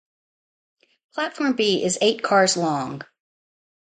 Platform B is eight cars long.